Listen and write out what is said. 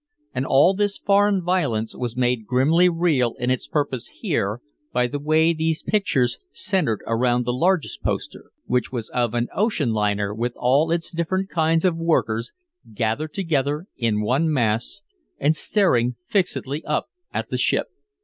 And all this foreign violence was made grimly real in its purpose here by the way these pictures centered around the largest poster, which was of an ocean liner with all its different kinds of workers gathered together in one mass and staring fixedly up at the ship.